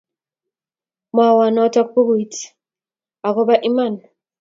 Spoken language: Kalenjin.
Mwawa noto Buku-it ako bo iman